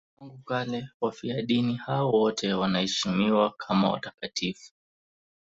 Tangu kale wafiadini hao wote wanaheshimiwa kama watakatifu.